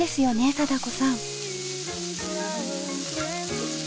貞子さん。